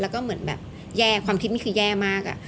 แล้วก็เหมือนแบบแย่ความคิดนี่คือแย่มาก